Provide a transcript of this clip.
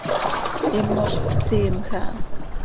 Himoz cohpsiimj aha.